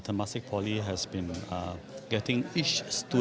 temastik poli telah membuat para pelajar